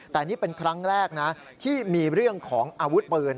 แต่นี่เป็นครั้งแรกนะที่มีเรื่องของอาวุธปืน